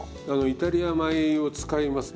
イタリア米を使います。